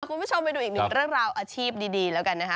คุณผู้ชมไปดูอีกหนึ่งเรื่องราวอาชีพดีแล้วกันนะคะ